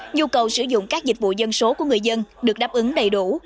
nhu cầu sử dụng các dịch vụ dân số của người dân được đáp ứng đầy đủ